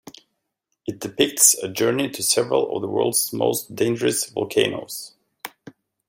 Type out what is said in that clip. It depicts a journey to several of the world's most dangerous volcanoes.